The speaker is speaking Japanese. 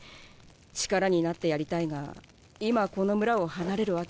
力になってやりたいが今この村を離れるわけには。